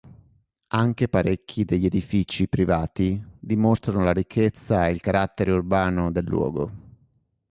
Anche parecchi degli edifici privati dimostrano la ricchezza e il carattere urbano del luogo.